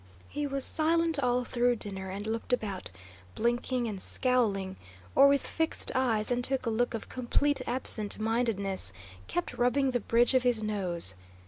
He was silent all through dinner and looked about, blinking and scowling, or, with fixed eyes and a look of complete absent mindedness, kept rubbing the bridge of his nose.